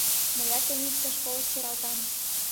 Мыят тений ты школыш сералтам.